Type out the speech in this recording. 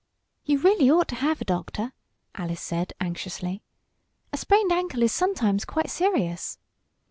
"You really ought to have a doctor," Alice said, anxiously. "A sprained ankle is sometimes quite serious."